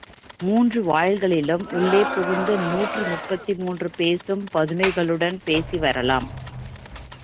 மூன்று வாயில்களிலும் உள்ளே புகுந்து நூற்றி முப்பத்து மூன்று பேசும் பதுமைகளுடன் பேசி வரலாம்.